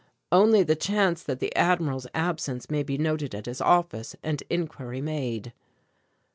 "Only the chance that the Admiral's absence may be noted at his office and inquiry be made."